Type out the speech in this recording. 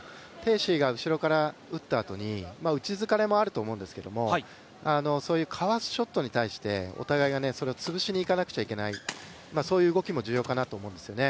思緯が後ろから打ったあと、打ち疲れもあると思うんですけど、そういうかわすショットに対してお互いにそれを潰しに行かなきゃいけないそういう動きも重要だと思うんですよね